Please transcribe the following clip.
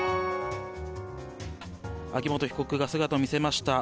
秋元被告が姿を見せました。